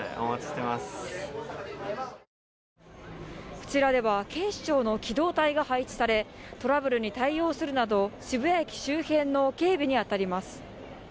こちらでは警視庁の機動隊が配置され、トラブルに対応するなど、渋谷駅周辺の警備にあたります。